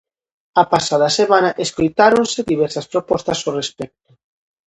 A pasada semana escoitáronse diversas propostas ao respecto.